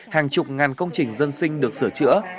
hàng chục ngàn công trình dân sinh được sửa chữa